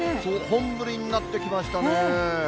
本降りになってきましたね。